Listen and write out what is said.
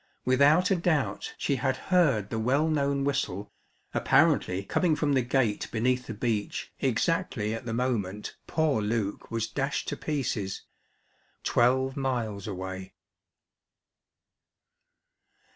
Without a doubt she had heard the well known whistle, apparently coming from the gate beneath the beech exactly at the moment poor Luke was dashed to pieces twelve miles away.